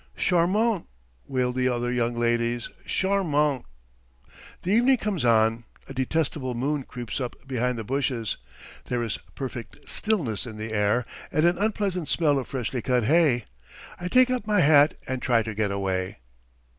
"Charmant!" wail the other young ladies, "Charmant!" The evening comes on. A detestable moon creeps up behind the bushes. There is perfect stillness in the air, and an unpleasant smell of freshly cut hay. I take up my hat and try to get away.